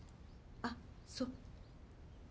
あっそう。